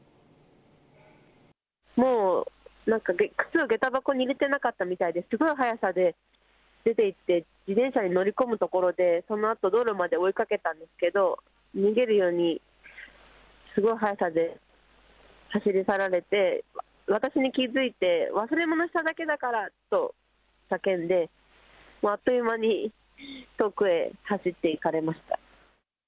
もう、なんか靴をげた箱に入れてなかったみたいで、すごい速さで出ていって、自転車に乗り込むところで、そのあと、道路まで追いかけたんですけど、逃げるようにすごい速さで走り去られて、私に気付いて、忘れ物しただけだからと、叫んで、あっという間に遠くへ走っていかれました。